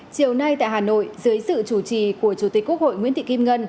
chiều nay tại hà nội dưới sự chủ trì của chủ tịch quốc hội nguyễn thị kim ngân